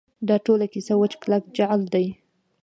دا ټوله کیسه وچ کلک جعل دی.